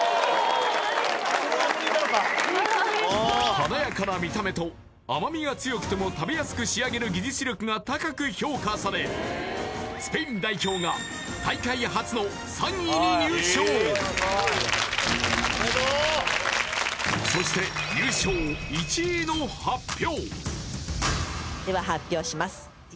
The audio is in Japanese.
華やかな見た目と甘みが強くても食べやすく仕上げる技術力が高く評価されスペイン代表がそして優勝１位の発表